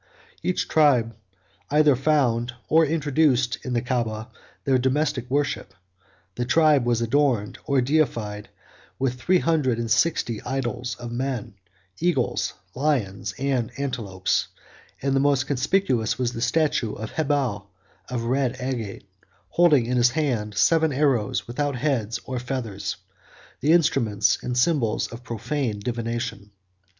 Each tribe either found or introduced in the Caaba their domestic worship: the temple was adorned, or defiled, with three hundred and sixty idols of men, eagles, lions, and antelopes; and most conspicuous was the statue of Hebal, of red agate, holding in his hand seven arrows, without heads or feathers, the instruments and symbols of profane divination.